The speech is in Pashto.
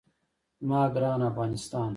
زما ګران افغانستان.